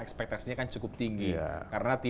ekspektasinya kan cukup tinggi karena